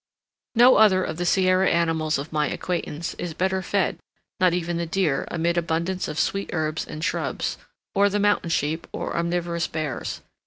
No other of the Sierra animals of my acquaintance is better fed, not even the deer, amid abundance of sweet herbs and shrubs, or the mountain sheep, or omnivorous bears.